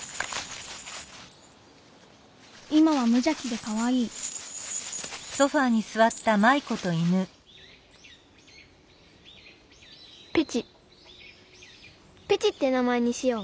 今はむじゃきでかわいいペチペチって名前にしよう！